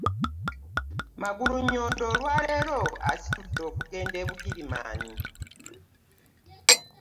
Magulunnyondo olwa leero aditudde okugenda e Bugirimaani.